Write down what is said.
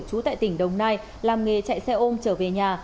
trú tại tỉnh đồng nai làm nghề chạy xe ôm trở về nhà